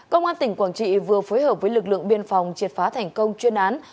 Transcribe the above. công an tỉnh quảng trị vừa phối hợp với lực lượng biên phòng triệt phá thành công chuyên án